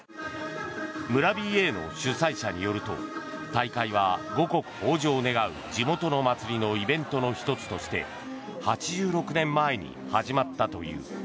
村ＢＡの主催者によると大会は五穀豊穣を願う地元の祭りのイベントの１つとして８６年前に始まったという。